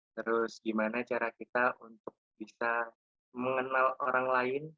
terus gimana cara kita untuk bisa mengenal orang lain